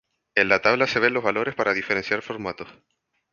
En la tabla se ven los valores para diferentes formatos.